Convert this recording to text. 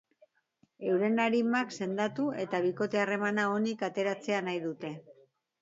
Euren arimak sendatu eta bikote harremana onik ateratzea nahi dute.